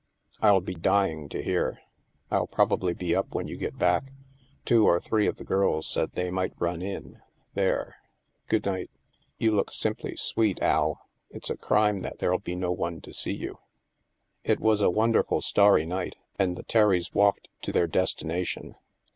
" I'll be dying to hear. I'll probably be up when you get back. Two or three of the girls said they might run in. There — good night. You look simply sweet, Al. It's a crime that there'll be no one to see you." It was a wonderful starry night, and the Terrys walked to their destination.